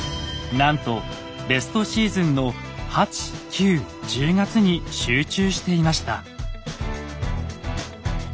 なんとベストシーズンの８９１０月に集中していました。